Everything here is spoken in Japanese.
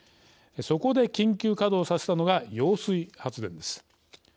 そこで緊急稼働させたのが揚水発電です。